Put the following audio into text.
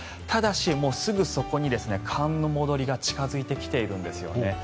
ただし、すぐそこに寒の戻りが近付いてきてるんですよね。